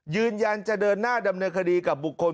ยืนยันจะเดินหน้าดำเนินคดีกับบุคคล